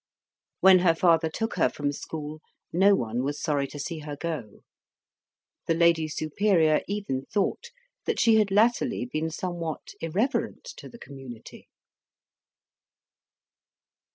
When her father took her from school, no one was sorry to see her go. The Lady Superior even thought that she had latterly been somewhat irreverent to the community.